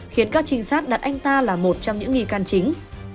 khiến các trinh sát đặt anh ta là một trong những nghi can chính